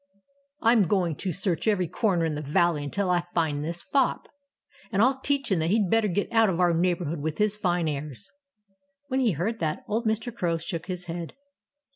"I'm going to search every corner in the valley until I find this fop. And I'll teach him that he'd better get out of our neighborhood with his fine airs." When he heard that, old Mr. Crow shook his head.